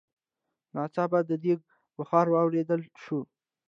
ناڅاپه د ديګ بخار واورېدل شو.